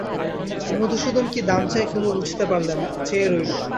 মধুসূদন কী দাম চায় কুমু বুঝতে পারলে না, চেয়ে রইল।